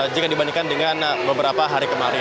jika dibandingkan dengan beberapa hari kemarin